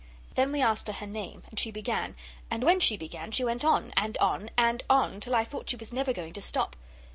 Then we asked her her name, and she began, and when she began she went on, and on, and on, till I thought she was never going to stop.